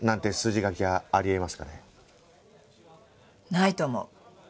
ないと思う。